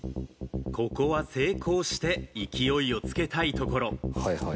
ここは成功して勢いをつけたいところ。